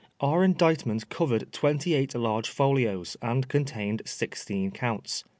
Our Indictment covered twenty eight large folios, and contained sixteen Counts.